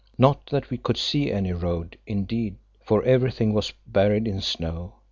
Not that we could see any road, indeed, for everything was buried in snow.